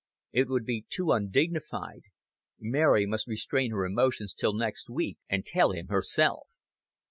It would be too undignified. Mary must restrain her emotions till next week, and tell him herself.